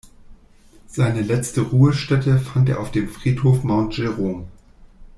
Seine letzte Ruhestätte fand er auf dem Friedhof Mount Jerome.